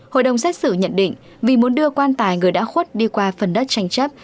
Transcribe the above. hội đồng xét xử nhận định vì muốn đưa quan tài người đã khuất đi qua phần đất tranh chấp